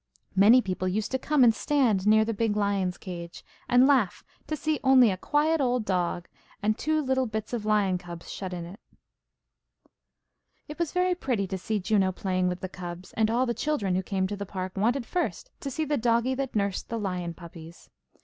Many people used to come and stand near the big lion's cage, and laugh to see only a quiet old dog, and two little bits of lion cubs shut in it. It was very pretty to see Juno playing with the cubs, and all the children who came to the park wanted first to see "the doggie that nursed the lion puppies."